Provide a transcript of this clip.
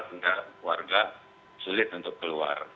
sehingga warga sulit untuk keluar